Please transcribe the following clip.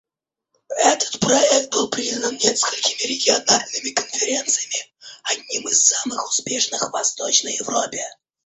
Этот проект был признан несколькими региональными конференциями одним из самых успешных в Восточной Европе.